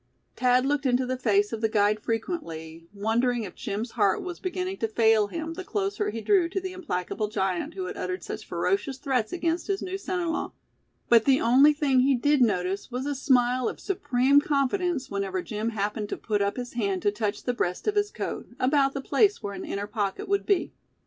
Thad looked into the face of the guide frequently, wondering if Jim's heart was beginning to fail him the closer he drew to the implacable giant who had uttered such ferocious threats against his new son in law; but the only thing he did notice was a smile of supreme confidence whenever Jim happened to put up his hand to touch the breast of his coat, about the place where an inner pocket would be.